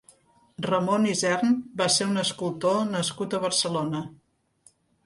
Ramon Isern va ser un escultor nascut a Barcelona.